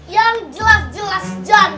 yang jelas jelas jadi